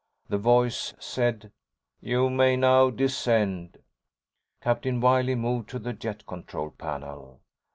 The voice said: "You may now descend." Captain Wiley moved to the jet control panel.